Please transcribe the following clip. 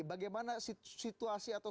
bagaimana situasi atau